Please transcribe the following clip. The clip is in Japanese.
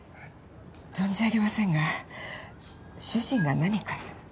存じ上げませんが主人が何か？